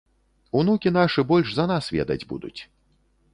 Унукі нашы больш за нас ведаць будуць.